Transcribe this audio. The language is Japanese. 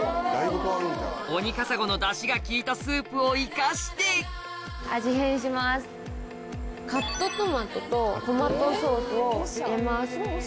オニカサゴのダシが効いたスープを生かしてカットトマトとトマトソースを入れます。